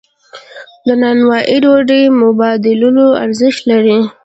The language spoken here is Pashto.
د نانوایی ډوډۍ مبادلوي ارزښت لري.